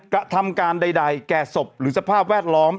กระทำการใดแก่ศพหรือสภาพแวดล้อม